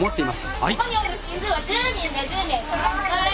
はい。